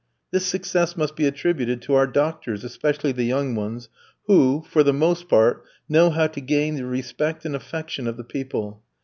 This success must be attributed to our doctors, especially the young ones, who, for the most part, know how to gain the respect and affection of the people.